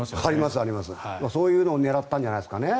そういうのを狙ったんじゃないですかね。